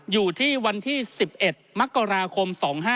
อยู่ที่วันที่๑๑มกราคม๒๕๖๕